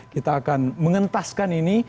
kita akan mengentaskan ini